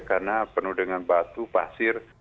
karena penuh dengan batu pasir